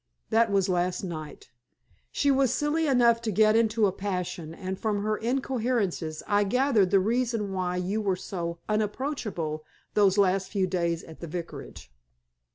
That was last night. She was silly enough to get into a passion, and from her incoherencies I gathered the reason why you were so unapproachable those last few days at the Vicarage.